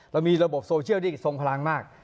เรามีระบบโซเชียลที่ทรงพลังมาก